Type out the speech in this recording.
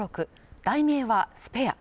題名は「スペア」